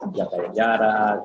tidak ada jarak